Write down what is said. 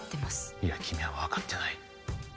いや君はわかってない。